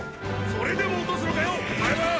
それでも落とすのかよォお前は。